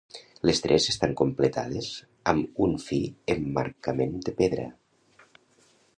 Les tres estan complementades amb un fi emmarcament de pedra.